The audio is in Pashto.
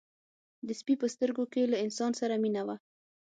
د سپي په سترګو کې له انسان سره مینه وه.